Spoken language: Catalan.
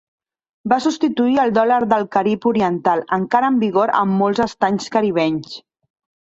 Va substituir el dòlar del Carib Oriental, encara en vigor en molts estats caribenys.